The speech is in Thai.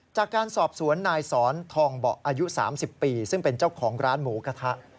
จากการสอบสวนนายสอนทองเบาะอายุ๓๐ปีซึ่งเป็นเจ้าของร้านหมูกระทะ